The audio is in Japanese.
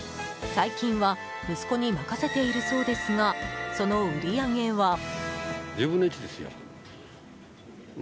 最近は息子に任せているそうですがその売り上げは。